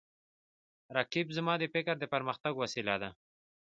رقیب زما د فکر د پرمختګ وسیله ده